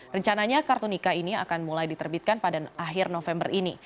rencananya kartu nikah ini akan mulai diterbitkan pada akhir november ini